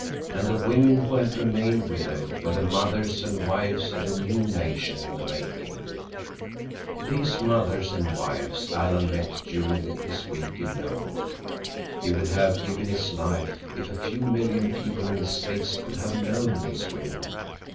And the women who had remained with them were the mothers and wives of a new nation in the making. These mothers and wives Alan met during his week in Nome. He would have given his life if a few million people in the States could have known these women.